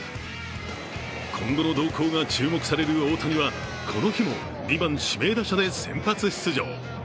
今後の動向が注目される大谷はこの日も２番・指名打者で先発出場。